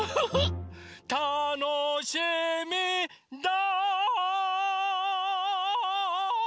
たのしみだ！